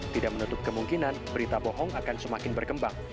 tidak menutup kemungkinan berita bohong akan semakin berkembang